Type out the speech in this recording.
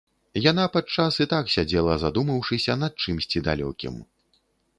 Яна падчас і так сядзела, задумаўшыся над чымсьці далёкім.